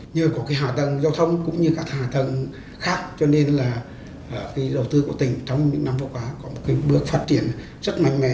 như có hạ tầng giao thông cũng như các hạ tầng khác cho nên là đầu tư của tỉnh trong những năm vừa qua có một bước phát triển rất mạnh mẽ